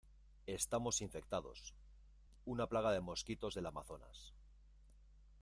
estamos infectados. una plaga de mosquitos del Amazonas .